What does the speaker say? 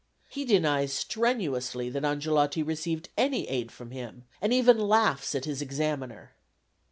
He denies strenuously that Angelotti received any aid from him, and even laughs at his examiner.